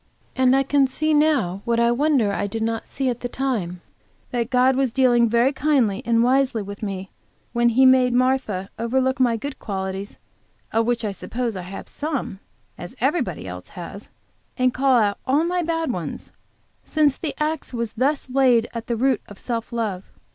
And I can see now, what I wonder I did not see at the time, that God was dealing very kindly and wisely with me when He made Martha overlook my good qualities, of which I suppose I have some, as everybody else has, and call out all my bad ones, since the axe was thus laid at the root of self love.